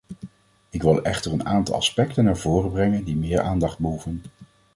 Ik wil echter een aantal aspecten naar voren brengen die meer aandacht behoeven.